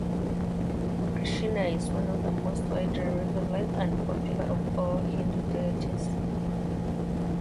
Krishna is one of the most widely revered and popular of all Hindu deities.